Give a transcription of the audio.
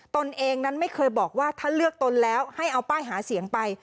ตนเองนั้นไม่เคยบอกว่าถ้าเลือกตนแล้วให้เอาป้ายหาเสียงไป